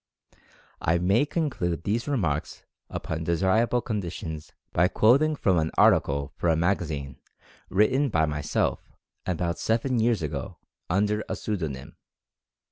I may conclude these remarks upon desirable con ditions, by quoting from an article for a magazine written by myself about seven years ago, under a pseudonym.